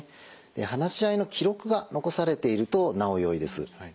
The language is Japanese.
話し合いの記録が残されているとなおよいです。